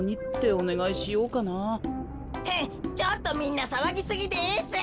ちょっとみんなさわぎすぎです！